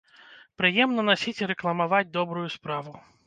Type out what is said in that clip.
Прыемна насіць і рэкламаваць добрую справу.